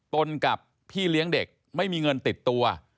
กับพี่เลี้ยงเด็กไม่มีเงินติดตัว